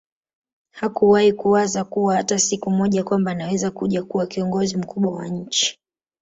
Hakuwai kuwaza kuwa hata siku moja kwamba anaweza kuja kuwa kiongozi mkubwa wa nchi